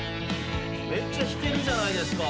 めっちゃ弾けるじゃないですか。